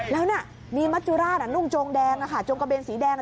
แล้วเนี่ยมีมัจจุราชนุ่งจงแดงจงกระเบนสีแดง